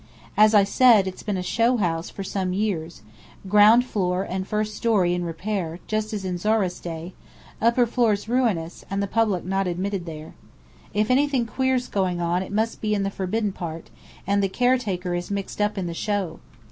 As I said, it's been a 'show' house, for some years ground floor and first story in repair, just as in Zohra's day upper floors ruinous, and the public not admitted there. If anything queer's going on, it must be in the forbidden part: and the caretaker is mixed up in the show.